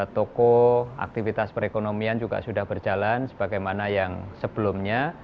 toko aktivitas perekonomian juga sudah berjalan sebagaimana yang sebelumnya